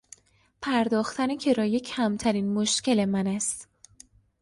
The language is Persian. پرداختن کرایه کمترین مشکل من است.